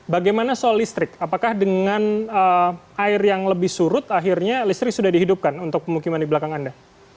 bagaimana soal listrik apakah dengan air yang lebih surut akhirnya listrik sudah dihidupkan untuk pemukiman di belakang anda